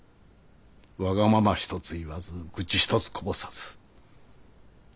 わがまま一つ言わずぐち一つこぼさず。